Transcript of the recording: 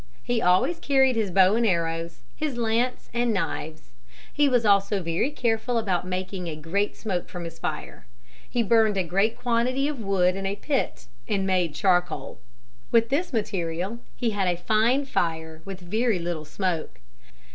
He always carried his bow and arrows, his lance and knives. He was also very careful about making a great smoke from his fire. He burned a great quantity of wood in a pit and made charcoal. With this material he had a fine fire with a very little smoke.